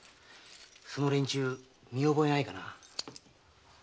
その連中見覚えないかな？